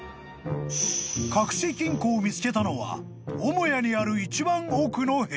［隠し金庫を見つけたのは母屋にある一番奥の部屋］